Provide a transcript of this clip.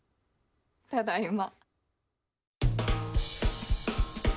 ただいま。